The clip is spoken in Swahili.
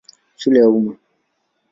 Shule ya Umma.